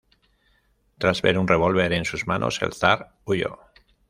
Tras ver un revólver en sus manos, el zar huyó.